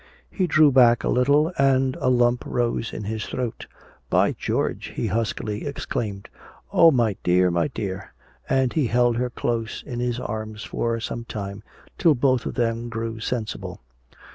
He drew back a little, and a lump rose in his throat. "By George!" he huskily exclaimed. "Oh, my dear, my dear!" And he held her close in his arms for some time, till both of them grew sensible.